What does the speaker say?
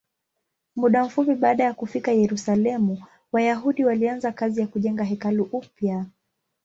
Muda mfupi baada ya kufika Yerusalemu, Wayahudi walianza kazi ya kujenga hekalu upya.